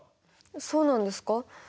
そうなんですか？